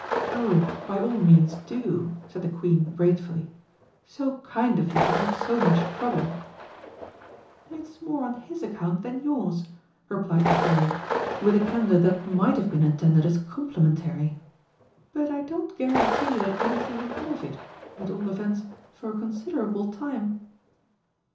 "Oh, by all means do!" said the Queen gratefully. "So kind of you to take so much trouble!" "It's more on his account than yours," replied the Fairy, with a candour that might have been intended as complimentary. "But I don't guarantee that anything will come of it at all events for a considerable time."